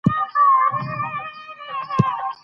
د بولان پټي د افغان کورنیو د دودونو مهم عنصر دی.